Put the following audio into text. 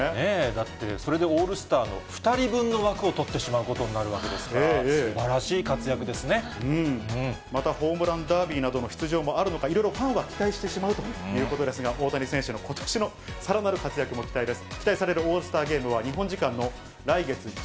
だって、それでオールスターの２人分の枠を取ってしまうことになるわけでまたホームランダービーなどの出場もあるのか、いろいろファンは期待してしまうということですが、大谷選手のことしのさらなる活躍も期待です。